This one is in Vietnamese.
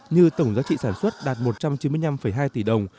như tổng giá trị sản xuất đạt một trăm chín mươi năm hai tỷ đồng